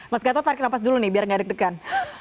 mas gatot tarik nafas dulu nih biar gak deg degan